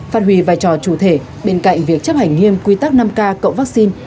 phát huy vai trò chủ thể bên cạnh việc chấp hành nghiêm quy tắc năm k cộng vaccine